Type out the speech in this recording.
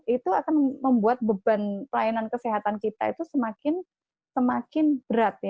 itu akan membuat beban pelayanan kesehatan kita itu semakin berat